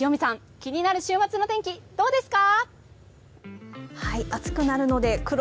気になる週末の天気どうですか。